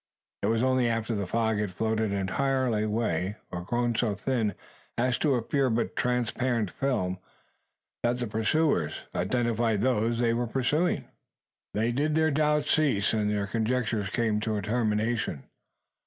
It was only after the fog had floated entirely away, or grown so thin as to appear but transparent film, that the pursuers identified those they were pursuing. Then did their doubts cease and their conjectures come to a termination.